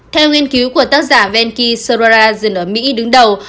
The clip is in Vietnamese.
theo nghiên cứu của tác giả venky sorara dừng ở mỹ đứng đầu